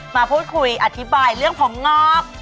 มาพูดคุยอธิบายเรื่องของงอก